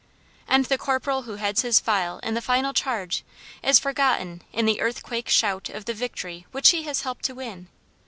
And the corporal who heads his file in the final charge, is forgotten in the "earthquake shout" of the victory which he has helped to win.